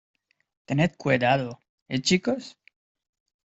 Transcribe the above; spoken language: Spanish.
tened cuidado, ¿ eh , chicos?